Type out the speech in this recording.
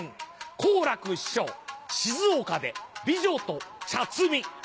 好楽師匠静岡で美女と茶摘み。